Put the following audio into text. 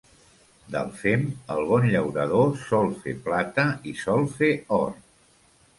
Del fem, el bon llaurador, sol fer plata i sol fer or.